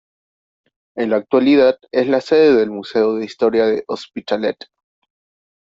En la actualidad es la sede del Museo de Historia del Hospitalet.